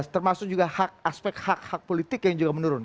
termasuk juga hak aspek hak hak politik yang juga menurun